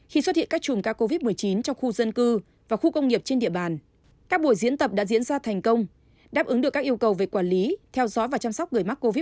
khi xuất hiện các chùm ca covid một mươi chín trong khu dân cư và khu công nghiệp trên địa bàn